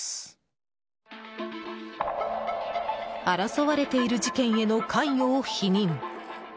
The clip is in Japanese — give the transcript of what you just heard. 争われている事件への関与を否認。